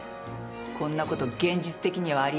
こんなこと現実的にはありえない。